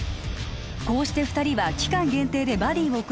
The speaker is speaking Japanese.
こうして二人は期間限定でバディを組み